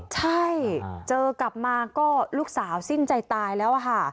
ใช่เจอกลับมาก็ลูกสาวสิ้นใจตายแล้วค่ะ